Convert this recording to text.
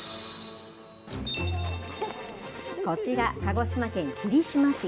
こちら、鹿児島県霧島市。